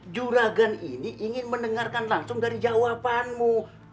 juragan ini ingin mendengarkan langsung dari jawabanmu